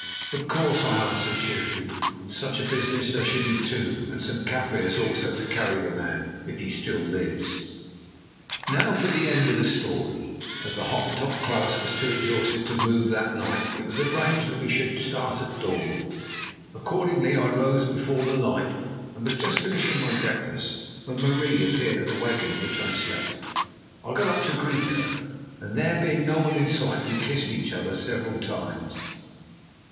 "Of course," I answered cheerfully; "on such a business there should be two, and some Kaffirs also to carry the man, if he still lives." Now for the end of the story. As the Hottentot Klaus was too exhausted to move that night, it was arranged that we should start at dawn. Accordingly, I rose before the light, and was just finishing my breakfast when Marie appeared at the wagon in which I slept. I got up to greet her, and, there being no one in sight, we kissed each other several times.